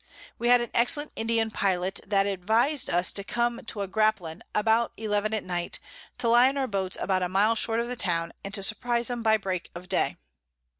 We had an excellent Indian Pilot, that advis'd us to come to a Graplin about 11 at Night, to lie in our Boats about a Mile short of the Town, and to surprize 'em by Break of Day.